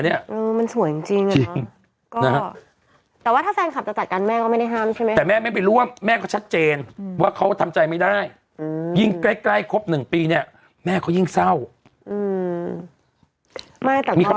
หน่อยเจ้าของล้านช่วยออกหน้ากล้องอีกทีหนึ่งหน่อยสิคะ